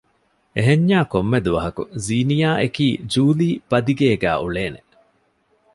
އެހެންޏާ ކޮންމެދުވަހަކު ޒީނިޔާ އެކީ ޖޫލީ ބަދިގޭގައި އުޅޭނެ